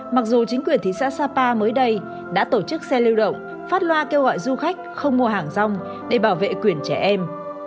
mặc dù chính quyền thị xã sapa mới đây đã tổ chức xe lưu động phát loa kêu gọi du khách không mua hàng rong để bảo vệ quyền trẻ em